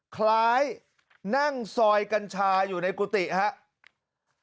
คล้ายนั่งซอยกัญชาอยู่ในกุฏิครับ